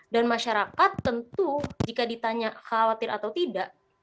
dan masyarakat tentu jika ditanya khawatir atau tidak